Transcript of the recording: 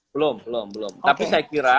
belum belum belum tapi saya kira